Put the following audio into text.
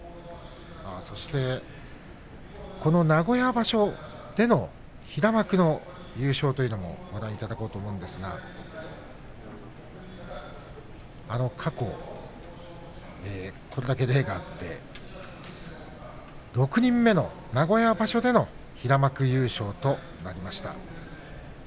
そして、この名古屋場所での平幕の優勝というのもご覧いただこうと思うんですが過去、これだけ例があって６人目の名古屋場所での平幕優勝となりました。